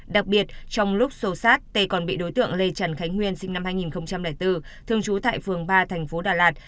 đặc biệt trong lúc sâu sát tê còn bị đối tượng lê trần khánh nguyên sinh năm hai nghìn bốn thường trú tại phường ba thành phố đà lạt